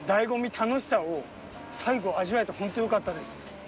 楽しさを最後味わえてほんとよかったです。